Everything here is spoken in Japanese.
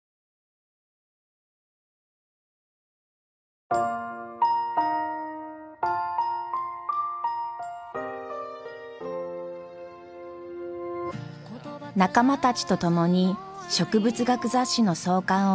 仲間たちと共に植物学雑誌の創刊を目指す万太郎。